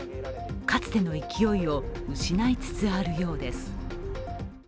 かつての勢いを失いつつあるようです。